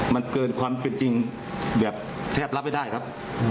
มันเกินความเป็นจริงแบบแทบรับไม่ได้ครับ